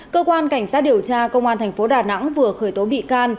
cơ quan cảnh sát điều tra công an thành phố đà nẵng vừa khởi tố bị can